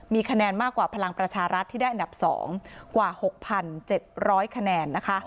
มีคะแนนมากกว่าพลังประชารัฐที่ได้อันดับ๒กว่า๖๗๐๐คะแนนนะคะ